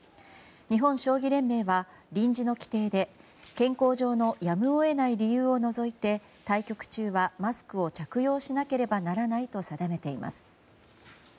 日本将棋連盟は臨時の規定で健康上のやむを得ない理由を除いて対局中はマスクを着用しなければならないと定めています。